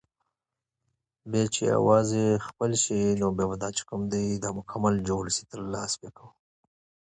But Miriam was tortured.